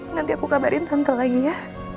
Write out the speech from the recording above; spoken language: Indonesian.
nanti aku kabarin tante lagi ya